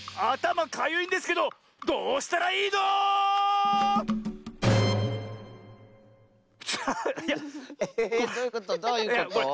「あたまかゆいんですけどどうしたらいいの⁉」。